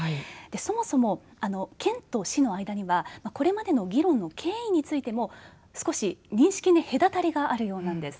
そもそも、県と市の間にはこれまでの議論の経緯についても少し認識に隔たりがあるようなんです。